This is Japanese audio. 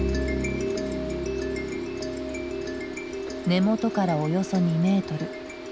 根元からおよそ２メートル。